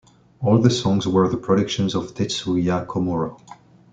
All the songs were the productions of Tetsuya Komuro.